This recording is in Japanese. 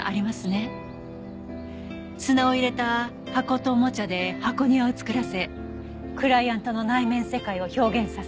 砂を入れた箱とおもちゃで箱庭を作らせクライアントの内面世界を表現させる。